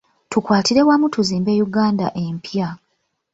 Tukwatire wamu tuzimbe Uganda empya.